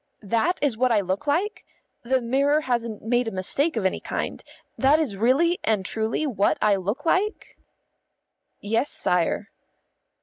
"That is what I look like? The mirror hasn't made a mistake of any kind? That is really and truly what I look like?" "Yes, sire."